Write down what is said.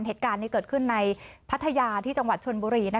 เหตุการณ์นี้เกิดขึ้นในพัทยาที่จังหวัดชนบุรี